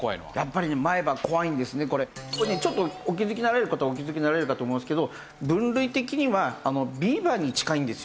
これねちょっとお気づきになられる方はお気づきになられるかと思いますけど分類的にはビーバーに近いんですよ。